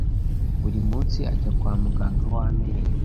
Buri munsi ajya kwa muganga w amenyo.